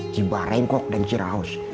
ciba rengkok dan ciraos